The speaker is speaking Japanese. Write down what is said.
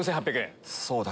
そうだ！